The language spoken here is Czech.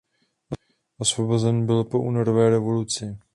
Osvobozen byl po únorové revoluci.